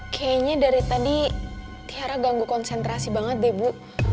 kayaknya dari tadi tiara ganggu konsentrasi banget deh bu